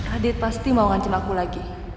adit pasti mau ngancam aku lagi